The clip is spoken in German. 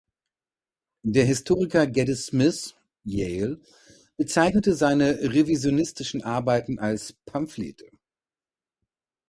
Der Historiker Gaddis Smith (Yale) bezeichnete seine revisionistischen Arbeiten als Pamphlete.